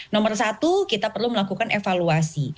nomor satu kita perlu melakukan evaluasi